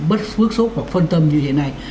bất phước xúc hoặc phân tâm như thế này